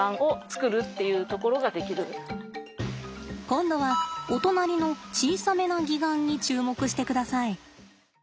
今度はお隣の小さめな擬岩に注目してください。